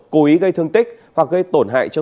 cố ý gây thương tích hoặc gây tổn hại cho